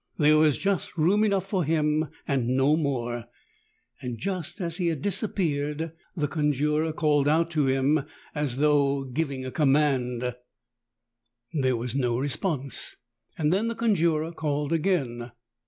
There was just room enough for him and no more, and just as he had disappeared the conjurer called out to him, as though giving a command, 94 THE TALKING HANDKERCHIEF. There was no response, and then the conjurer called again.